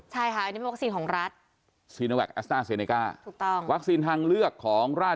ใช่ค่ะอันนี้เป็นวัคซีนของรัฐ